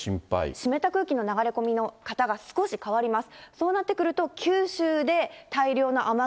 湿った空気の流れ込み方が少し変わります。